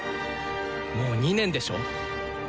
もう２年でしょ。